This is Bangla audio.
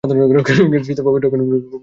সীতা পবিত্র, বিশুদ্ধ এবং সহিষ্ণুতার চূড়ান্ত।